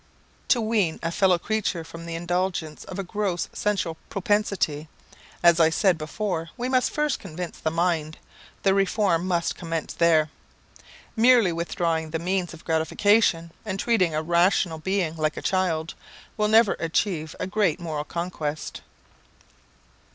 To wean a fellow creature from the indulgence of a gross sensual propensity, as I said before, we must first convince the mind: the reform must commence there. Merely withdrawing the means of gratification, and treating a rational being like a child, will never achieve a great moral conquest.